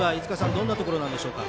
どんなところでしょうか？